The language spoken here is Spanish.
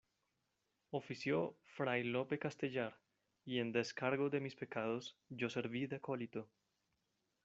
ofició Fray Lope Castellar, y en descargo de mis pecados , yo serví de acólito.